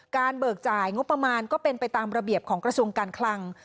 เบิกจ่ายงบประมาณก็เป็นไปตามระเบียบของกระทรวงการคลัง